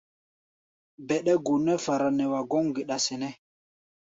Bɛɗɛ́-go nɛ́ fara nɛ wa gɔ́m geɗa sɛnɛ́.